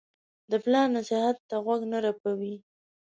د پلار نصیحت ته غوږ نه رپوي.